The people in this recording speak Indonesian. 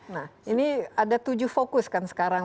nah ini ada tujuh fokus kan sekarang